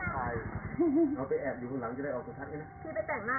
อ๋อไปแอบอยู่ข้างหลังจะได้ออกก็ชัดอย่างนั้น